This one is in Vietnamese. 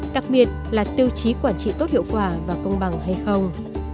đặc biệt là tiêu chí quản trị tốt hiệu quả và công bằng hay không